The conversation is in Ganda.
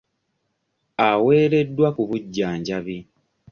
Aweereddwa ku bujjanjabi.